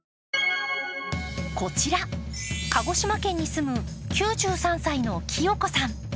こちら、鹿児島県に住む９３歳のきよ子さん。